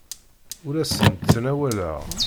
Ur asen-d-ttnawaleɣ.